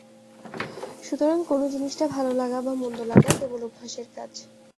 সুতরাং কোন জিনিষটা ভাল লাগা বা মন্দ লাগা কেবল অভ্যাসের কাজ।